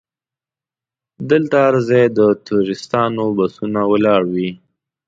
دلته هر ځای د ټوریستانو بسونه ولاړ وي.